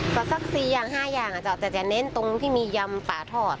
ก็สัก๔๕อย่างอาจจะเน้นตรงที่มียำปลาทอด